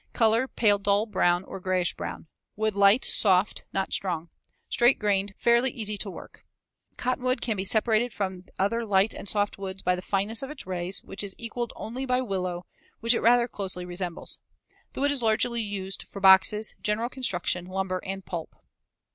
Color pale dull brown or grayish brown. Wood light, soft, not strong, straight grained, fairly easy to work. Cottonwood can be separated from other light and soft woods by the fineness of its rays, which is equaled only by willow, which it rather closely resembles. The wood is largely used for boxes, general construction, lumber, and pulp.